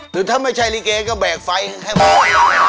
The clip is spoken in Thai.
หรือถ้าไม่ใช่ลิเกก็แบกไฟให้มอง